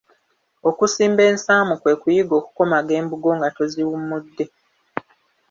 Okusimba ensaamu kwe kuyiga okukomaga embugo nga toziwummudde.